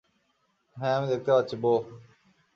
হ্যাঁ, আমি দেখতে পাচ্ছি, বোহ।